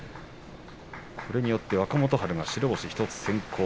これによって若元春が白星１つ先行。